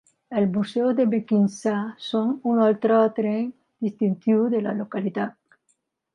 Els Museus de Mequinensa són un altre tret distintiu de la localitat.